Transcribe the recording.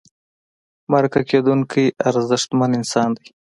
مرکه کېدونکی ارزښتمن انسان دی.